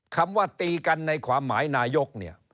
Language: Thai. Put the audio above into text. คำว่าตีกันในความหมายนายกเนี่ย